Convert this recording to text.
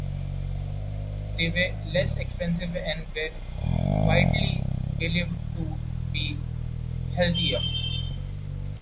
They were less expensive and were widely believed to be healthier.